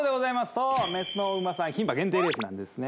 そうメスのお馬さん牝馬限定レースなんですね